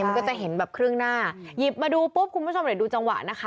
มันก็จะเห็นแบบครึ่งหน้าหยิบมาดูปุ๊บคุณผู้ชมเดี๋ยวดูจังหวะนะคะ